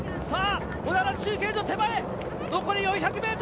小田原中継所の手前残り４００ｍ。